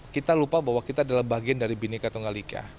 kita lupa bahwa kita adalah bagian dari bineka tunggal ika